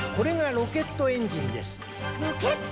ロケットエンジン？